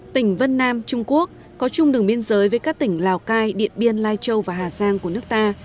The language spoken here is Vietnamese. tỉnh vân nam trung quốc có chung đường biên giới với các tỉnh lào cai điện biên lai châu và hà giang của nước ta